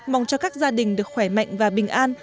mong cho các gia đình được khỏe mạnh và bình an